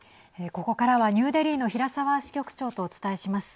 ここからはニューデリーの平沢支局長とお伝えします。